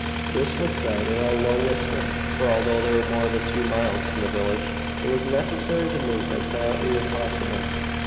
This was said in a low whisper, for although they were more than two miles from the village it was necessary to move as silently as possible.